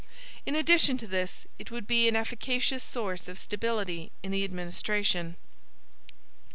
In addition to this, it would be an efficacious source of stability in the administration.